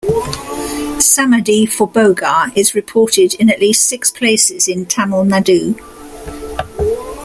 Samadhi for Bogar is reported in at least six places in Tamil Nadu.